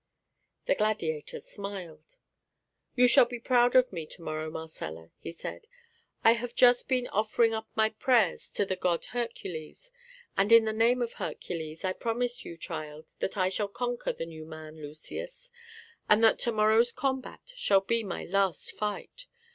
The gladiator smiled. "You shall be proud of me to morrow, Marcella," he said, "I have just been offering up my prayers to the god Hercules; and in the name of Hercules I promise you, child, that I shall conquer the new man Lucius, and that to morrow's combat shall be my last fight.